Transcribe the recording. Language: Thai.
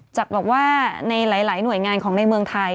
จากบอกว่าในหลายหน่วยงานของในเมืองไทย